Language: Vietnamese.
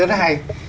là rất là hay